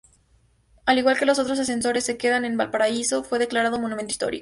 Al igual que los otros ascensores que quedan en Valparaíso, fue declarado Monumento Histórico.